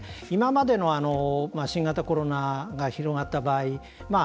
今までの新型コロナが広がった場合